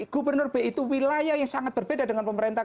gubernur b itu wilayah yang sangat berbeda dengan pemerintah